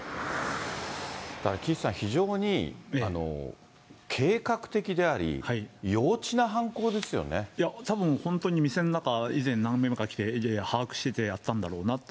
だから岸さん、非常に計画的であり、いや、たぶん本当に店の中、以前なんべんか来て把握しててやったんだろうなと。